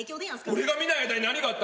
俺が見ない間に何があった？